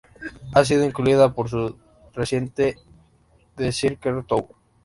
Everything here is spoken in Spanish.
Ha sido incluida en su reciente The circle tour.